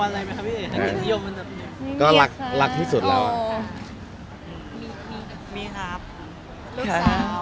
ประสบความสำเร็จเรียบร้อยแล้วค่ะ